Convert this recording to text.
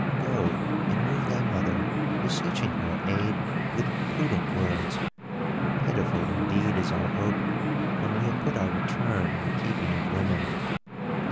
Go and move thy mother, beseeching her aid with prudent words; pitiful indeed is our hope when we have put our return in the keeping of women."